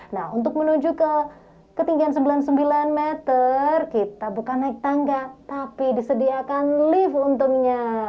nah untuk menuju ke ketinggian sembilan puluh sembilan meter kita bukan naik tangga tapi disediakan lift untungnya